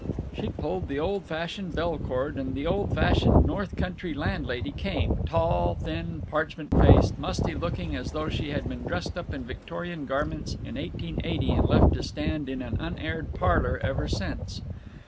She pulled the old fashioned bell cord, and the old fashioned North Country landlady came—tall, thin, parchment faced, musty looking as though she had been dressed up in Victorian garments in 1880 and left to stand in an unaired parlor ever since.